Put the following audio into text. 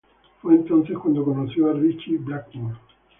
Fue entonces cuando conoció a Ritchie Blackmore.